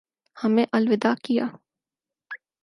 ہمیں الوداع کیا